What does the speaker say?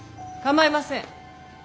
構いません。